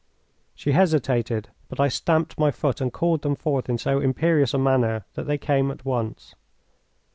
She hesitated, but I stamped my foot and called them forth in so imperious a manner that they came at once.